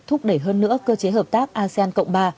thúc đẩy hơn nữa cơ chế hợp tác asean cộng ba